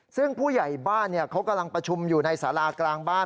ซึ่งผู้ใหญ่บ้านเขากำลังประชุมอยู่ในสารากลางบ้าน